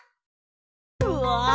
うわ